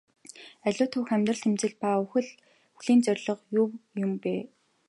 Аливаа түүх амьдрал тэмцэл ба үхлийн зорилго юу юм бэ?